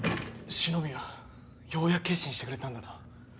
紫宮ようやく決心してくれたんだな。